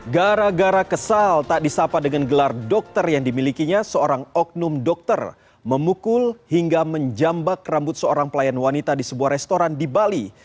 gara gara kesal tak disapa dengan gelar dokter yang dimilikinya seorang oknum dokter memukul hingga menjambak rambut seorang pelayan wanita di sebuah restoran di bali